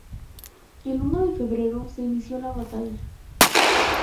El uno de febrero se inició la batalla.